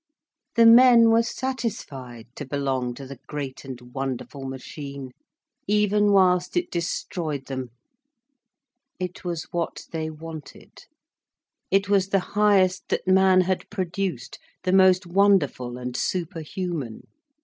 The men were satisfied to belong to the great and wonderful machine, even whilst it destroyed them. It was what they wanted. It was the highest that man had produced, the most wonderful and superhuman.